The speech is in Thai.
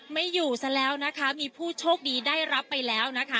ไม่อยู่ซะแล้วนะคะมีผู้โชคดีได้รับไปแล้วนะคะ